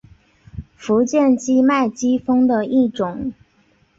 福建畸脉姬蜂的一种。